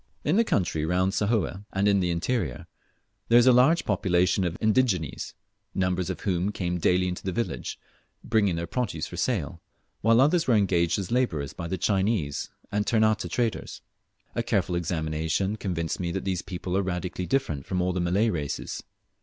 In the country round about Sahoe, and in the interior, there is a large population of indigenes, numbers of whom came daily into the village, bringing their produce for sale, while others were engaged as labourers by the Chinese and Ternate traders. A careful examination convinced me that these people are radically distinct from all the Malay races.